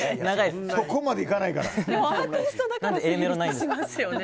そこまでいかないから。